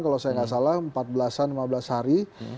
kalau saya nggak salah empat belas an lima belas hari